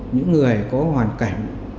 những người có hoàn cảnh